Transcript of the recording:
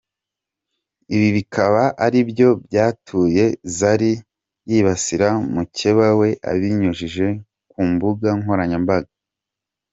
Ibi bikaba aribyo byatuye Zari yibasira mukeba we abinyujije ku mbuga nkoranyambaga.